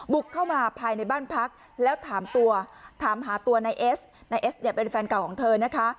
บุกเข้ามาภายในบ้านพักแล้วถามตัวถามหาตัวนายเอสนายเอสเนี่ยเป็นแฟนเก่าของเธอนะคะ